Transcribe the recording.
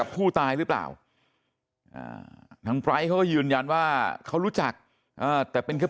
ผู้ตายหรือเปล่าทางไปร์ยืนยันว่าเขารู้จักแต่เป็นเค้า